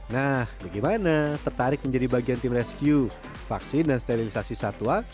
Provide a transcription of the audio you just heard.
nah bagaimana tertarik menjadi bagian tim rescue vaksin dan sterilisasi satwa